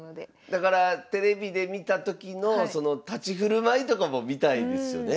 だからテレビで見たときのその立ち振る舞いとかも見たいですよね。